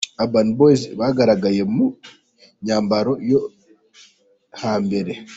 Urban Boyz bagaragaye mu myambaro yo ha mbere.